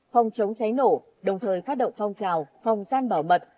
phòng chống cháy nổ đồng thời phát động phong trào phòng gian bảo mật